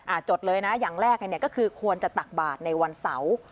จดเลยนะอย่างแรกเนี่ยก็คือควรจะตักบาทในวันเสาร์